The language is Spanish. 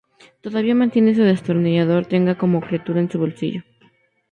Todavía mantiene su destornillador tenga como criatura en su bolsillo.